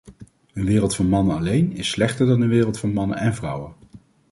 Een wereld van mannen alleen is slechter dan een wereld van mannen en vrouwen.